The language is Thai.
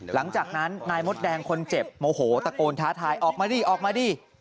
หลังจากนั้นนายมดแดงคนเจ็บโมโหตะโกนท้าทายออกมาดิออกมาดิ